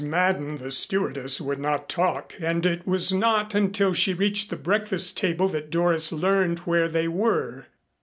Madden, the stewardess, would not talk and it was not until she reached the breakfast table that Doris learned where they were.